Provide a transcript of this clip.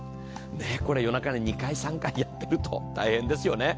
これ、夜中に２回、３回やってると大変ですよね。